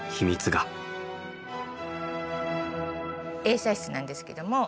映写室なんですけども。